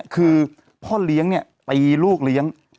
คือพ่อเลี้ยงตีลูกเลี้ยง